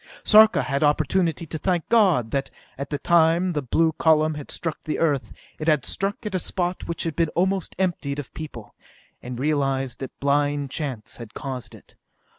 Sarka had opportunity to thank God that, at the time the blue column had struck the Earth, it had struck at the spot which had been almost emptied of people, and realized that blind chance had caused it.